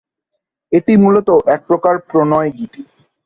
এটি মূলত একপ্রকার প্রণয়-গীতি।